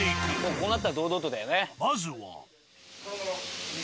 こうなったら堂々とだよね。まずは。